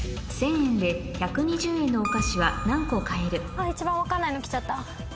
あっ一番分かんないのきちゃった。